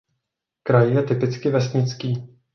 Kraj je typicky vesnický.